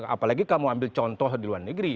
apalagi kamu ambil contoh di luar negeri